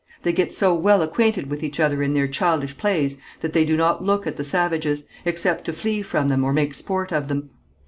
They get so well acquainted with each other in their childish plays that they do not look at the savages, except to flee from them or make sport of them.